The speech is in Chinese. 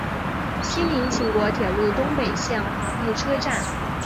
西邻泰国铁路东北线华目车站。